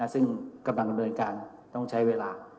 ซึ่งกำลังดำเนินการต้องใช้เวลา